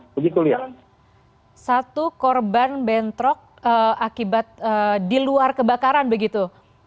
satu korban bentrok akibat di luar kebakaran begitu